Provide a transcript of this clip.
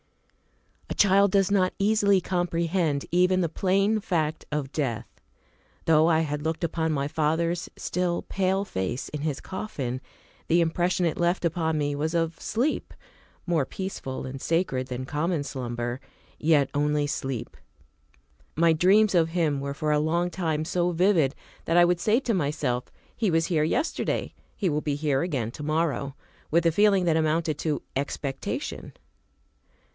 A CHILD does not easily comprehend even the plain fact of death. Though I had looked upon my father's still, pale face in his coffin, the impression it left upon me was of sleep; more peaceful and sacred than common slumber, yet only sleep. My dreams of him were for a long time so vivid that I would say to myself, "He was here yesterday; he will be here again to morrow," with a feeling that amounted to expectation.